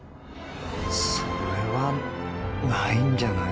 それはないんじゃない？